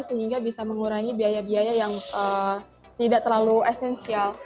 sehingga bisa mengurangi biaya biaya yang tidak terlalu esensial